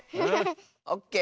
オッケー。